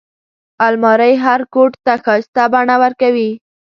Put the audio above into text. الماري هر کوټ ته ښايسته بڼه ورکوي